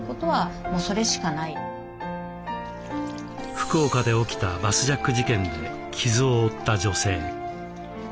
福岡で起きたバスジャック事件で傷を負った女性。